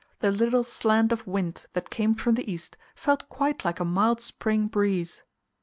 The little slant of wind that came from the east felt quite like a mild spring breeze.